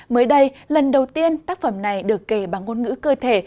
mới đây lần đầu tiên tác phẩm này được kể bằng ngôn ngữ cơ thể